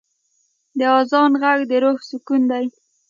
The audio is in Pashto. د آذان ږغ د روح سکون دی.